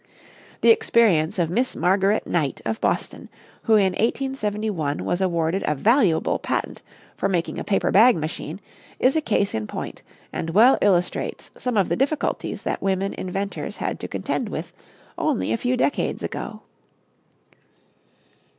The experience of Miss Margaret Knight, of Boston, who in 1871 was awarded a valuable patent for making a paper bag machine is a case in point and well illustrates some of the difficulties that women inventors had to contend with only a few decades ago.